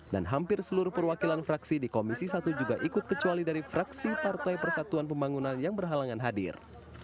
dan hampir seluruh perwakilan fraksi di komisi satu juga ikut kecuali dari fraksi partai persatuan pembangunan yang berhalangan hadir